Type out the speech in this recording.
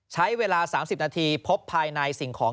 ใช้เวลา๓๐นาทีพบภายในสิ่งของ